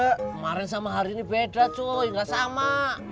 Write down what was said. kemarin sama hari ini beda cuy nggak sama